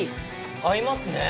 合いますね。